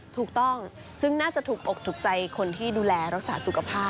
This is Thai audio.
ถูกต้องซึ่งน่าจะถูกอกถูกใจคนที่ดูแลรักษาสุขภาพ